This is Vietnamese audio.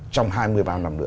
trong hai mươi ba năm nữa